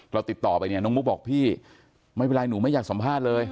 ติดต่อไปเนี่ยน้องมุกบอกพี่ไม่เป็นไรหนูไม่อยากสัมภาษณ์เลย